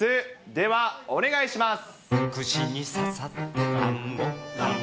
では、お願いします。